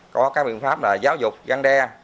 có các biện pháp giáo dục găng đe